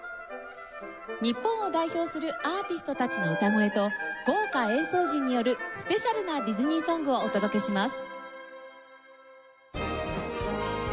日本を代表するアーティストたちの歌声と豪華演奏陣によるスペシャルなディズニーソングをお届けします。